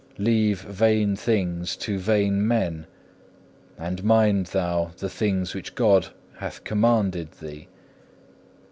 Leave vain things to vain men, and mind thou the things which God hath commanded thee.